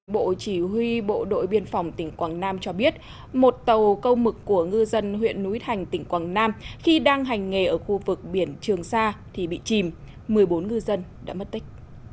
bộ chỉ huy bộ đội biên phòng tỉnh quảng nam cho biết một tàu câu mực của ngư dân huyện núi thành tỉnh quảng nam khi đang hành nghề ở khu vực biển trường sa thì bị chìm một mươi bốn ngư dân đã mất tích